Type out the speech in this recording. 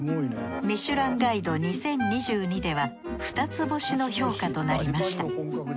「ミシュランガイド２０２２」では二つ星の評価となりました。